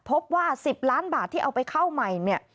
พบว่า๑๐ล้านบาทที่เอาไปเข้าใหม่เนี่ย